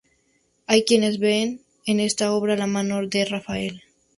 Hay quienes ven en esta obra la mano de Rafael.